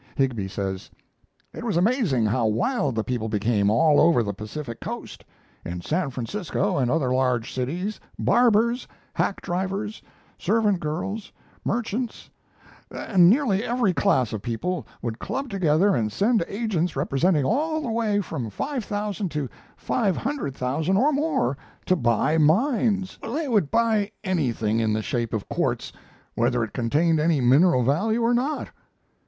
Higbie says: It was amazing how wild the people became all over the Pacific coast. In San Francisco and other large cities barbers, hack drivers, servant girls, merchants, and nearly every class of people would club together and send agents representing all the way from $5,000 to $500,000 or more to buy mines. They would buy anything. in the shape of quartz, whether it contained any mineral value or not.